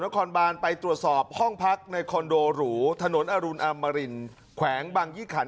คอบานไปตรวจสอบห้องพักในคอนโดหรูถนนอรุณอมรินแขวงบางยี่ขัน